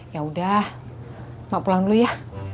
yaudah emak pulang dulu ya